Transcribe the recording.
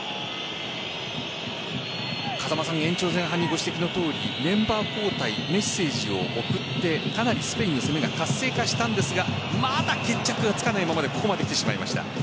延長前半にご指摘のとおりメンバー交代メッセージを送ってかなりスペインの攻めが活性化したんですがまだ決着がつかないままでここまで来てしまいました。